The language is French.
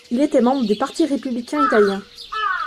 Il était membre du Parti républicain italien.